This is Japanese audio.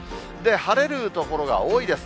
晴れる所が多いです。